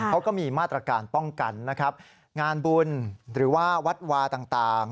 เขาก็มีมาตรการป้องกันนะครับงานบุญหรือว่าวัดวาต่าง